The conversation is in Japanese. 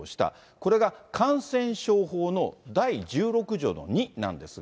これが感染症法の第１６条の２なんですが。